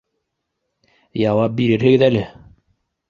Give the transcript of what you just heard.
Яуап бирерһегеҙ әле